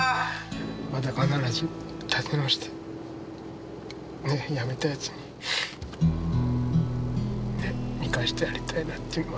また必ず立て直して辞めたやつに見返してやりたいなっていうのもあるし。